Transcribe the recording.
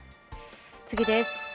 次です。